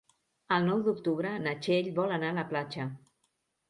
El nou d'octubre na Txell vol anar a la platja.